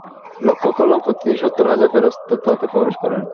লক্ষ্য করলাম, প্রতিদিন সত্তর হাজার ফেরেশতা তাতে প্রবেশ করেন।